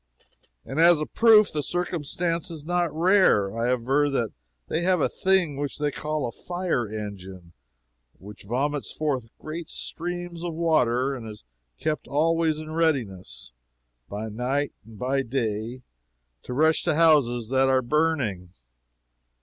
And as a proof that the circumstance is not rare, I aver that they have a thing which they call a fire engine, which vomits forth great streams of water, and is kept always in readiness, by night and by day, to rush to houses that are burning.